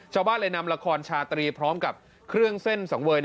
ชาวบ้านเลยนำละครชาตรีพร้อมกับเครื่องเส้นสังเวย